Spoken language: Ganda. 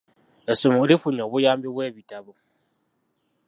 Essomero lifunye obuyambi bw'ebitabo.